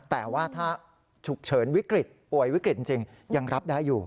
แต่ว่าถ้าฉุกเฉินวิกฤตป่วยวิกฤตจริงยังรับได้อยู่